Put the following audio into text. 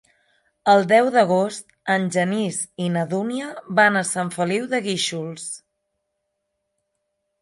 El deu d'agost en Genís i na Dúnia van a Sant Feliu de Guíxols.